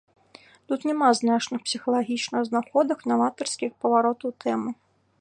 Тут няма значных псіхалагічных знаходак, наватарскіх паваротаў тэмы.